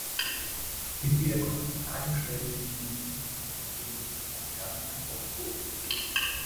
Mitglieder konnten Fragen stellen, die in einer der nächsten Ausgaben beantwortet wurden.